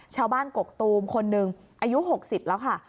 ชาวบ้านกกตูมคนหนึ่งอายุ๖๐แล้วค่ะ